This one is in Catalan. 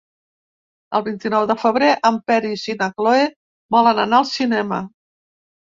El vint-i-nou de febrer en Peris i na Cloè volen anar al cinema.